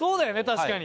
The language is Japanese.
確かに。